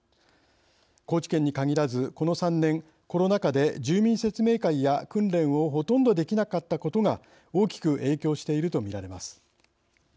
高知県に限らず、この３年コロナ禍で住民説明会や訓練をほとんどできなかったことが大きく影響していると見られます。